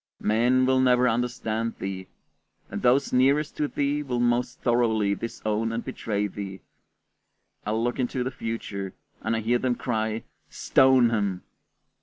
Men will never understand thee, and those nearest to thee will most thoroughly disown and betray thee; I look into the future, and I hear them cry, "Stone him!"